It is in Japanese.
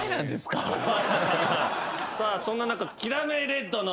そんな中。